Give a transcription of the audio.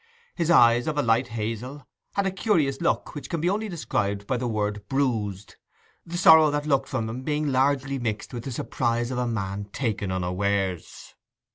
His eyes, of a light hazel, had a curious look which can only be described by the word bruised; the sorrow that looked from them being largely mixed with the surprise of a man taken unawares.